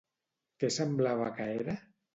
Què semblava que era?